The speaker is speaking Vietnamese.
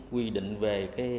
quy định về